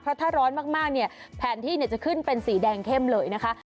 ถ้าร้อนมากเนี่ยแผนที่จะขึ้นเป็นสีแดงเข้มเลยนะคะ